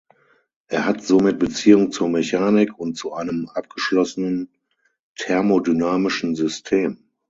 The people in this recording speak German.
Er hat somit Beziehung zur Mechanik und zu einem abgeschlossenen thermodynamischen System.